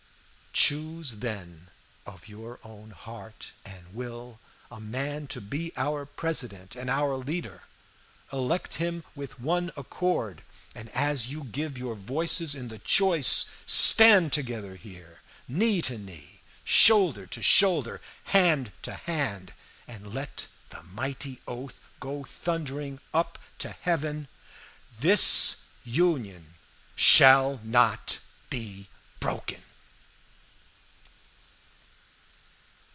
"Choose, then, of your own heart and will a man to be our President and our leader. Elect him with one accord, and as you give your voices in the choice, stand here together, knee to knee, shoulder to shoulder, hand to hand; and let the mighty oath go thundering up to heaven, "'THIS UNION SHALL NOT BE BROKEN!'"